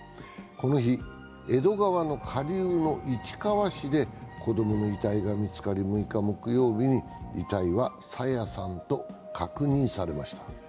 この日、江戸川の下流の市川市で子供の遺体が見つかり６日木曜日に遺体は朝芽さんと確認されました。